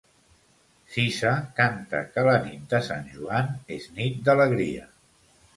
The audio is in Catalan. Sisa canta que la nit de Sant Joan és nit d'alegria.